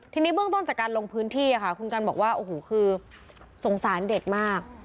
ทีนี้เบื้องต้นจากการลงพื้นที่ค่ะคุณกันบอกว่าโอ้โหคือสงสารเด็กมาก